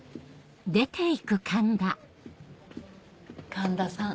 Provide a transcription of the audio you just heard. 環田さん